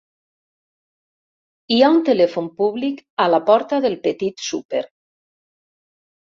Hi ha un telèfon públic a la porta del petit súper.